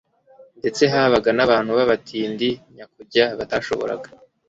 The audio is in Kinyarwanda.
Ndetse habaga n'abantu b'abatindi nyakujya batashoboraga